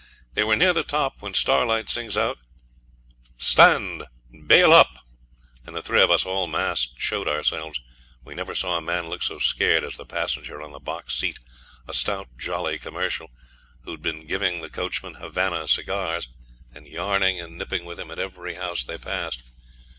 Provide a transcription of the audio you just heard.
They were near the top when Starlight sings out, 'Stand! Bail up!' and the three of us, all masked, showed ourselves. You never saw a man look so scared as the passenger on the box seat, a stout, jolly commercial, who'd been giving the coachman Havana cigars, and yarning and nipping with him at every house they passed.